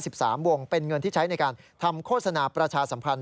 สามวงเป็นเงินที่ใช้ในการทำโฆษณาประชาสัมพันธ